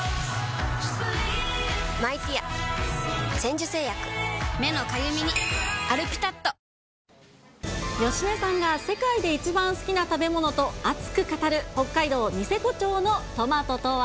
私の母が北海道出身で、芳根さんが世界で一番好きな食べ物と熱く語る北海道ニセコ町のトマトとは。